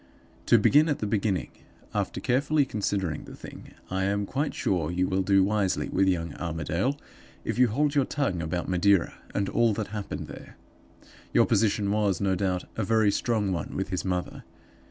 "To begin at the beginning. After carefully considering the thing, I am quite sure you will do wisely with young Armadale if you hold your tongue about Madeira and all that happened there. Your position was, no doubt, a very strong one with his mother.